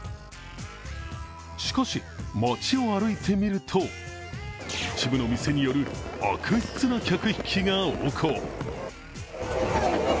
しかし、街を歩いてみると、一部の店による悪質な客引きが横行。